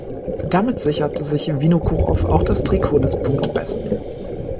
Damit sicherte sich Winokurow auch das Trikot des Punktbesten.